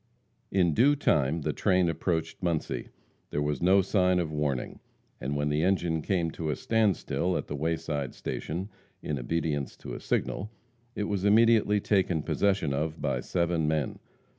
In due time the train approached Muncie. There was no sign of warning, and when the engine came to a standstill at the wayside station, in obedience to a signal, it was immediately taken possession of by seven men.